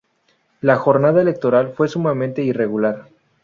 La jornada electoral fue sumamente irregular.